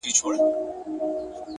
هوډ د نیمګړو امکاناتو بشپړونکی دی,